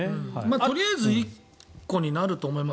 とりあえず１個になると思います。